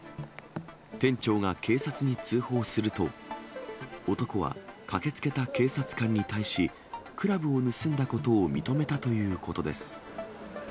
店長が警察に通報すると、男は駆けつけた警察官に対し、クラブを盗んだことを認めたということです。